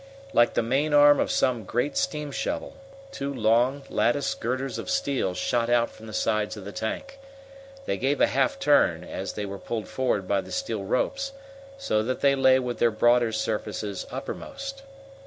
Like the main arm of some great steam shovel, two long, latticed girders of steel shot out from the sides of the tank. They gave a half turn, as they were pulled forward by the steel ropes, so that they lay with their broader surfaces uppermost.